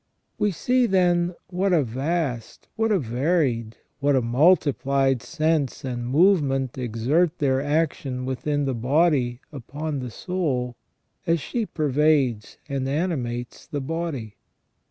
We see, then, what a vast, what a varied, what a multiplied sense and movement exert their action within the body upon the soul, as she pervades and animates the body.